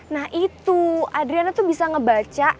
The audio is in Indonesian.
nah itu adriana tuh bisa ngebaca